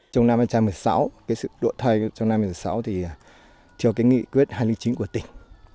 trong năm hai nghìn một mươi sáu sự đổi thay trong năm hai nghìn một mươi sáu thì theo nghị quyết hành lý chính của tỉnh